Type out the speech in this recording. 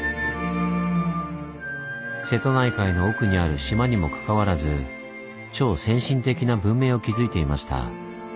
瀬戸内海の奥にある島にもかかわらず超先進的な文明を築いていました。